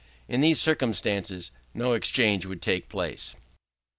In these circumstances no exchange would take place.